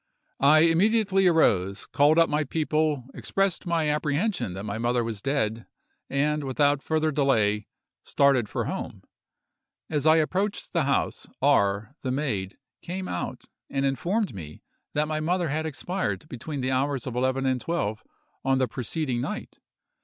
I immediately arose, called up my people, expressed my apprehension that my mother was dead, and, without further delay, started for home. As I approached the house, R——, the maid, came out and informed me that my mother had expired between the hours of 11 and 12 on the preceding night.